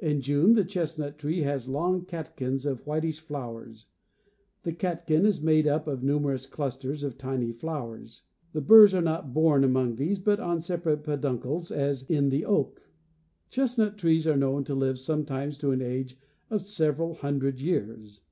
In June the chestnut tree has ' long catkins of whitish flow ers (Fig. 6). The catkin is made up of numerous clusters of tiny flowers (Fig. 7). burs are not borne among , but on separate peduncles as ; oak (Fig. 8). '' "'^f"7'^eL ' (M.'^^ Chestnut trees are known to live Nii'iKi.). sometimes to an age of several hun dred years.